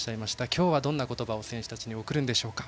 今日はどんな言葉を選手たちに送るでしょうか。